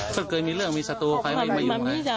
เค้าเกิดมีเรื่องมีศัตรูยิ่งไหวไหม